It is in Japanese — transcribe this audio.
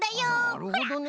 なるほどね。